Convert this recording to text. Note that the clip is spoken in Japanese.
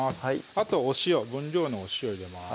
あとお塩分量のお塩入れます